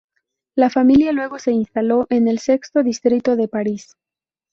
La familia luego se instaló en el sexto distrito de París.